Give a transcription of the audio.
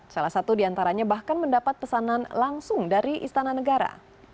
salah satu diantaranya bahkan mendapat pesanan langsung dari istana negara